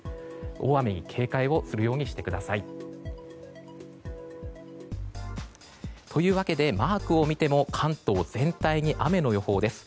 大雨に警戒をするようにしてください。というわけで、マークを見ても関東全体に雨の予報です。